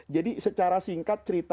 jadi secara singkat cerita